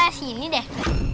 buat karena jealous